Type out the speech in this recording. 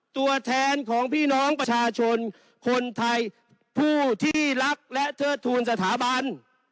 ตัวแทนของพี่น้องประชาชนคนไทยผู้ที่รักและเทิดทูลสถาบัน